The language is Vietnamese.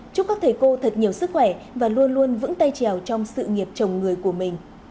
chúc các thầy cô thật nhiều sức khỏe và luôn luôn vững tay trèo trong sự nghiệp chồng người của mình